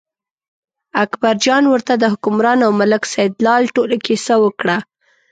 اکبرجان ورته د حکمران او ملک سیدلال ټوله کیسه وکړه.